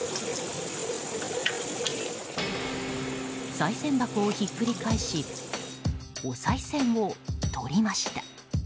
さい銭箱をひっくり返しおさい銭をとりました。